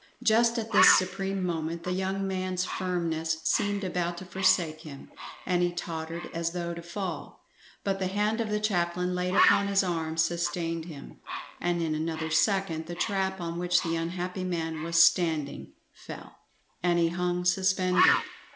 Just at this supreme moment the young man's firmness seemed about to forsake him, and he tottered as though to fall, but the hand of the chaplain laid upon his arm sustained him, and in another second the trap on which the unhappy man was standing fell, and he hung suspended.